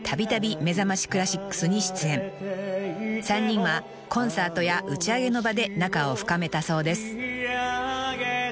［３人はコンサートや打ち上げの場で仲を深めたそうです］